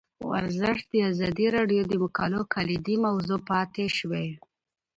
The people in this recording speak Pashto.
ورزش د ازادي راډیو د مقالو کلیدي موضوع پاتې شوی.